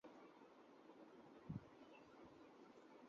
Ceylon বিশ্ববিদ্যালয়ের আইন অনুষদে ভর্তি হন।